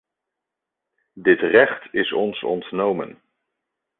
Dit recht is ons ontnomen.